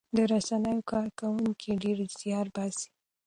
د رسنیو کارکوونکي ډېر زیار باسي.